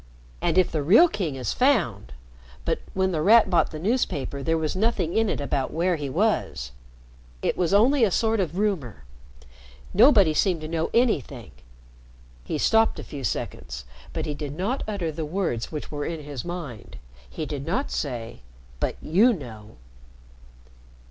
And if the real King is found but when The Rat bought the newspaper there was nothing in it about where he was. It was only a sort of rumor. Nobody seemed to know anything." He stopped a few seconds, but he did not utter the words which were in his mind. He did not say: "But you know."